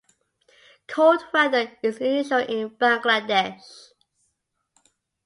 Cold weather is unusual in Bangladesh.